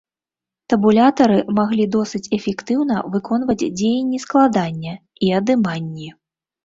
Табулятары маглі досыць эфектыўна выконваць дзеянні складання і адыманні.